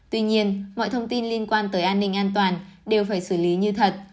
tuy nhiên mọi thông tin liên quan tới an ninh an toàn đều phải xử lý như thật